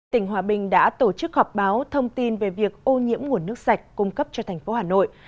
tỉnh hòa bình đã tổ chức họp báo thông tin về việc ô nhiễm nguồn nước sạch cung cấp cho thành phố hà nội